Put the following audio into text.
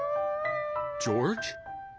ジョージ。